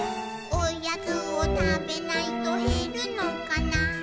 「おやつをたべないとへるのかな」